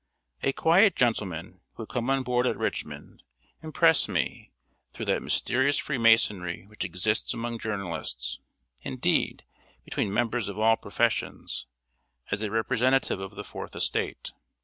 ] A quiet gentleman, who had come on board at Richmond, impressed me, through that mysterious freemasonry which exists among journalists indeed, between members of all professions as a representative of the Fourth Estate.